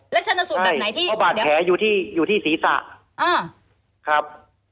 แล้วชันสูตรแบบไหนที่เดี๋ยวบาดแผลอยู่ที่อยู่ที่ศีรษะอ้าวครับ